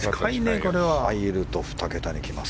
これが入ると２桁にきます。